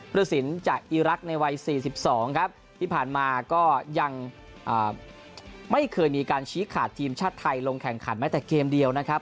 รสินจากอีรักษ์ในวัย๔๒ครับที่ผ่านมาก็ยังไม่เคยมีการชี้ขาดทีมชาติไทยลงแข่งขันแม้แต่เกมเดียวนะครับ